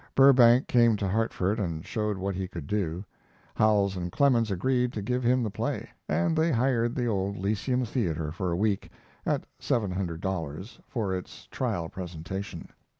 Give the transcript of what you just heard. Burbank came to Hartford and showed what he could do. Howells and Clemens agreed to give him the play, and they hired the old Lyceum Theater for a week, at seven hundred dollars, for its trial presentation.